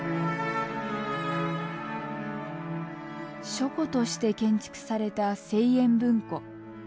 書庫として建築された青淵文庫。